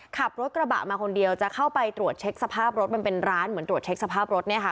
ขับรถกระบะมาคนเดียวจะเข้าไปตรวจเช็คสภาพรถมันเป็นร้านเหมือนตรวจเช็คสภาพรถเนี่ยค่ะ